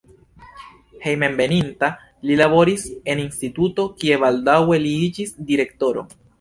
Hejmenveninta li laboris en instituto, kie baldaŭe li iĝis direktoro.